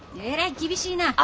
えらい厳しいな。